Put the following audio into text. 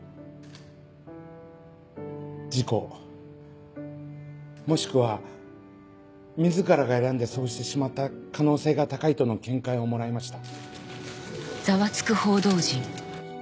事故もしくは自らが選んでそうしてしまった可能性が高いとの見解をもらいました。